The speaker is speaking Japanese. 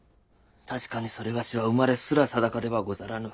確かにそれがしは生まれすら定かではござらぬ。